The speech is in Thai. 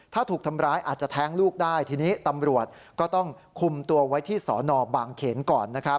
ถ้าถูกทำร้ายอาจจะแท้งลูกได้ทีนี้ตำรวจก็ต้องคุมตัวไว้ที่สอนอบางเขนก่อนนะครับ